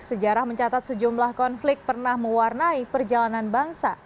sejarah mencatat sejumlah konflik pernah mewarnai perjalanan bangsa